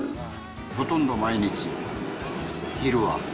ほとんど毎日、昼は。